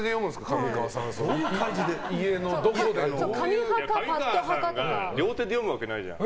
上川さんが両手で読むわけないじゃん。